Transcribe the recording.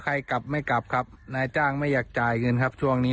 กลับไม่กลับครับนายจ้างไม่อยากจ่ายเงินครับช่วงนี้